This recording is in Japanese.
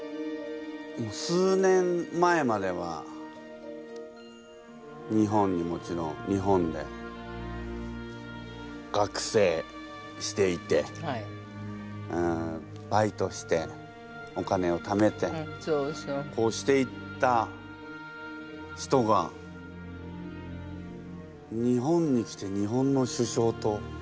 数年前までは日本にもちろん日本で学生していてバイトしてお金をためてこうしていった人が日本に来て日本の首相と。